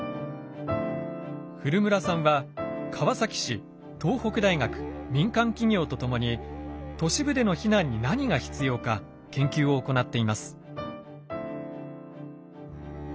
古村さんは川崎市東北大学民間企業と共に都市部での避難に何が必要か研究を行っています。